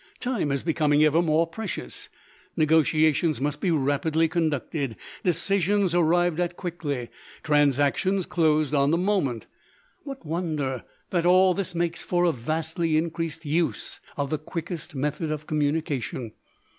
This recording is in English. Time is becoming ever more precious. Negotiations must be rapidly conducted, decisions arrived at quickly, transactions closed on the moment. What wonder that all this makes for a vastly increased use of the quickest method of communication?